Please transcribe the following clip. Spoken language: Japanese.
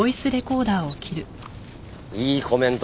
いいコメント